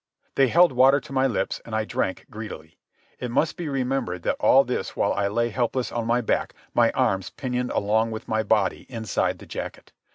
They held water to my lips, and I drank greedily. It must be remembered that all this while I lay helpless on my back, my arms pinioned along with my body inside the jacket.